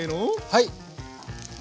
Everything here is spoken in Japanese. はい！